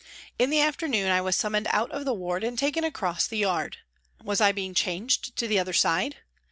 In the afternoon I was summoned out of the ward and taken across the yard. Was I being changed to the other side